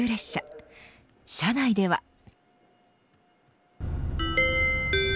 車内では。